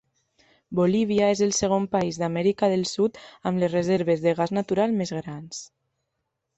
Bolívia és el segon país d'Amèrica del Sud amb les reserves de gas natural més grans.